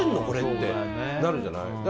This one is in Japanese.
これってなるじゃない。